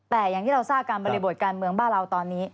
แต่อย่างที่เราทราบการบริบทการเมืองบ้านเราตอนนี้